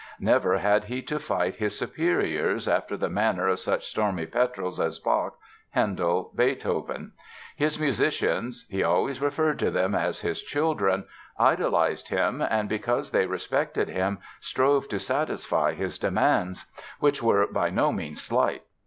Never had he to fight his "superiors", after the manner of such stormy petrels as Bach, Handel, Beethoven. His musicians (he always referred to them as his "children") idolized him and, because they respected him, strove to satisfy his demands, which were by no means slight.